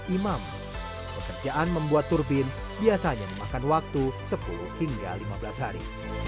imam pekerjaan membuat turbin biasanya memakan waktu sepuluh hingga lima belas hari